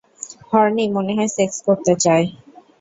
Horne, মনেহয় sex করতে চায়।